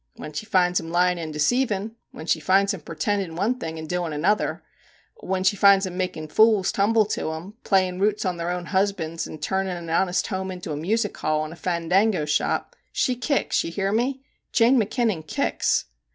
When she finds 'em lyin' and deceivin' ; when she finds 'em purtendin' one thing and doin' another; when she finds them makin' fools tumble to 'em ; playing roots on their own husbands, and turnin' an honest house into a music hall and a fandango shop, she kicks ! You hear me ! Jane Mackinnon kicks